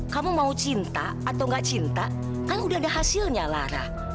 kamu mau cinta atau gak cinta kamu udah ada hasilnya lara